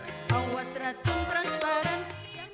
awas ratung transparan